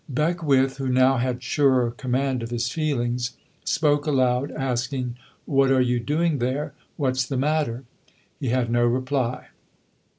Beckwith, who now had surer command of his feelings, spoke aloud asking, "What are you doing there? What's the matter?" He had no reply.